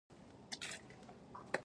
مستعارمنه د ا ستعارې دوهم شکل دﺉ.